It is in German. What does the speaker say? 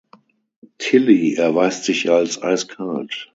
Tilly erweist sich als eiskalt.